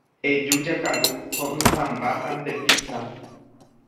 Eju jakaru. Ho’ysãmbáta nde pizza.